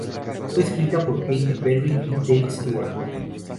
Fue escrita por Katy Perry y Dave Stewart.